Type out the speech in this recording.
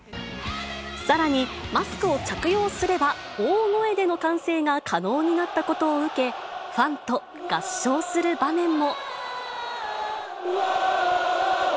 さらに、マスクを着用すれば、大声での歓声が可能になったことを受け、ファンと合唱する場面も。